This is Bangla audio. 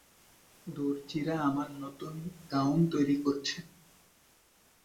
দরজীরা আমার নূতন গাউন তৈরী করছে।